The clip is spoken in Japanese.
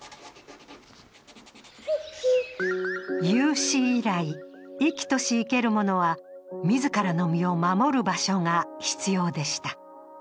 有史以来生きとし生けるものは自らの身を守る場所が必要でした。